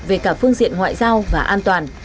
về cả phương diện ngoại giao và an toàn